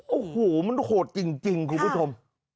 โอ้โหมันโหดจริงคุณผู้ชม